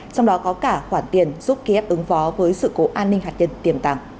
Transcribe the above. trong đó có cả khoản tiền giúp kiev ứng phó với sự cố an ninh hạt nhân tiềm tàng